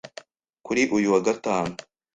kuri uyu wa Gatanu,